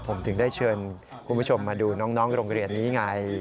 ผมถึงได้เชิญคุณผู้ชมมาดูน้องโรงเรียนนี้ไง